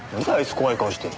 怖い顔して。